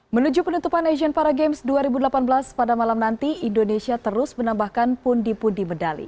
menuju penutupan asian para games dua ribu delapan belas pada malam nanti indonesia terus menambahkan pundi pundi medali